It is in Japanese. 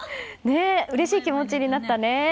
うれしい気持ちになったね。